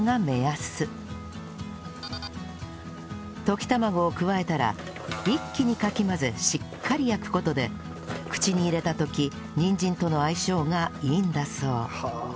溶き卵を加えたら一気にかき混ぜしっかり焼く事で口に入れた時にんじんとの相性がいいんだそう